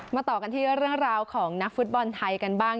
ต่อกันที่เรื่องราวของนักฟุตบอลไทยกันบ้าง